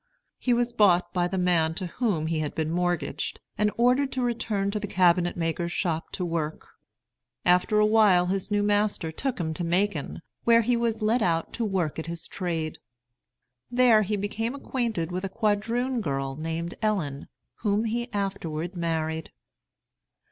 He was bought by the man to whom he had been mortgaged, and ordered to return to the cabinet maker's shop to work. After a while his new master took him to Macon, where he was let out to work at his trade. There he became acquainted with a quadroon girl named Ellen, whom he afterward married.